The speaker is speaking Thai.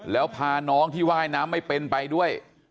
แล้วพาน้องที่ว่ายน้ำไม่เป็นไปด้วย